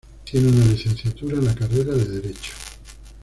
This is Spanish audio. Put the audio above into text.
Tiene una Licenciatura en la carrera de Derecho.